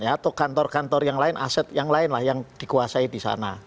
atau kantor kantor yang lain aset yang lain lah yang dikuasai di sana